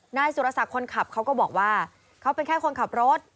นายสุรศักดิ์คนขับเขาก็บอกว่าเขาเป็นแค่คนขับรถ